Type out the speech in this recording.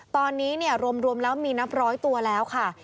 ตอนนี้รวมแล้วมีนับร้อยตัวแล้วค่ะ